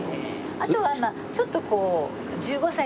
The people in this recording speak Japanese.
あとはまあちょっとこう。